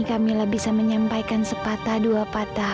kamila bisa menyampaikan sepatah dua patah